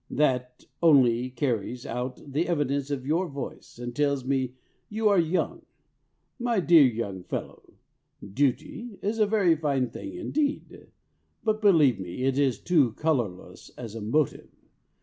"That only carries out the evidence of your voice, and tells me you are young. My dear young fellow, duty is a very fine thing indeed, but believe me, it is too colourless as a motive.